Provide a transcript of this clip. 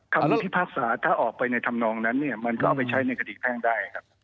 คำพิพากษาถ้าออกไปในธรรมนองนั้นเนี่ยมันก็เอาไปใช้ในคดีแพ่งได้ครับ